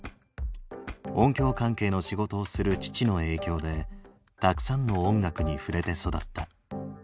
音響関係の仕事をする父の影響でたくさんの音楽に触れて育った。